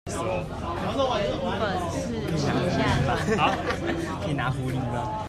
原本是旗下轉投資